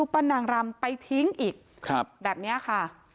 นางรำไปทิ้งอีกแบบนี้ค่ะ